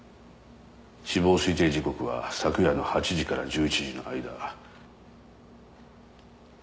死亡推定時刻は昨夜の８時から１１時の間。